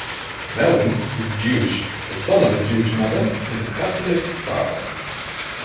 Melvin is Jewish, the son of a Jewish mother and a Catholic father.